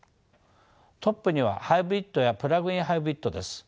トップにはハイブリッドやプラグイン・ハイブリッドです。